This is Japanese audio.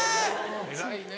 偉いね。